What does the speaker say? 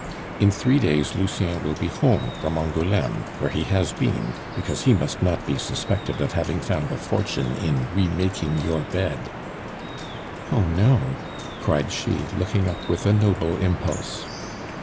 "In three days Lucien will be home from Angouleme, where he has been, because he must not be suspected of having found a fortune in remaking your bed " "Oh no!" cried she, looking up with a noble impulse.